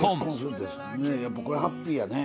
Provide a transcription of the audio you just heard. ねえやっぱこれハッピーやね。